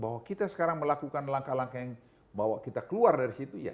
bahwa kita sekarang melakukan langkah langkah yang bawa kita keluar dari situ ya